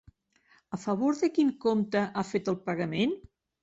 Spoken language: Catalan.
A favor de quin compte ha fet el pagament?